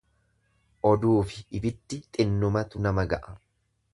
Oduufi ibiddi xinnumatu nama ga'a.